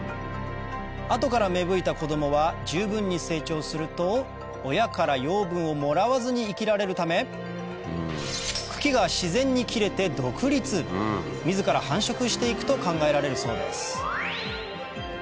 後から芽吹いた子供は十分に成長すると親から養分をもらわずに生きられるため茎が自然に切れて独立自ら繁殖して行くと考えられるそうです